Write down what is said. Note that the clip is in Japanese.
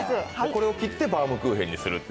これを切ってバームクーヘンにすると。